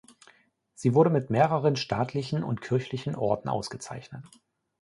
Sie wurde mit mehreren staatlichen und kirchlichen Orden ausgezeichnet.